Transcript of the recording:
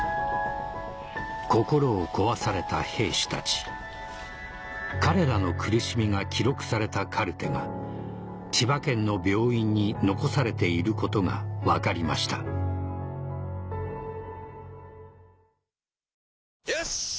心を壊された兵士たち彼らの苦しみが記録されたカルテが千葉県の病院に残されていることが分かりましたよしっ！